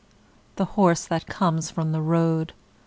The horse that comes from the road.